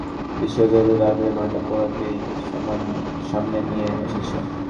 এটা হতাহতদের ক্ষতিপূরণ দেওয়া বিষয়ে ক্রেতাদের আগ্রহে ভাটা পড়াকেই সামনে নিয়ে এসেছে।